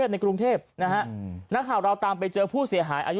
ในกรุงเทพนะฮะนักข่าวเราตามไปเจอผู้เสียหายอายุ